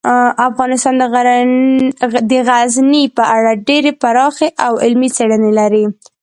افغانستان د غزني په اړه ډیرې پراخې او علمي څېړنې لري.